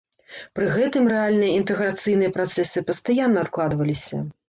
Пры гэтым рэальныя інтэграцыйныя працэсы пастаянна адкладваліся.